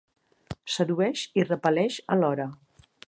Sedueix i repel·leix alhora.